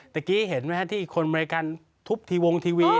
เมื่อกี้เห็นไหมฮะที่คนอเมริกันทุบทีวงทีวี